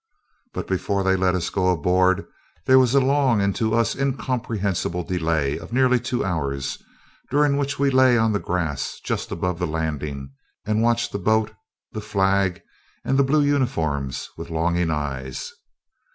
But before they let us go aboard there was a long and to us incomprehensible delay of nearly two hours, during which we lay on the grass just above the landing and watched the boat, the flag, and the blue uniforms, with longing eyes.